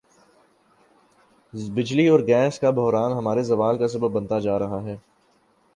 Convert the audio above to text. بجلی اور گیس کا بحران ہمارے زوال کا سبب بنتا جا رہا ہے